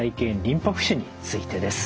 ・リンパ浮腫についてです。